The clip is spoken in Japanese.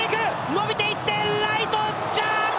伸びていって、ライト、ジャンプ！